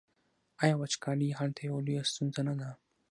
آیا وچکالي هلته یوه لویه ستونزه نه ده؟